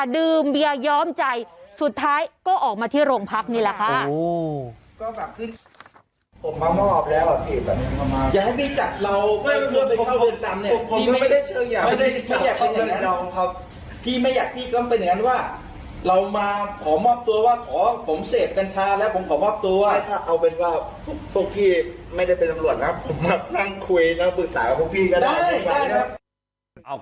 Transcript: ดื่มเบียย้อมใจสุดท้ายก็ออกมาที่โรงพักนี่แหละค่ะ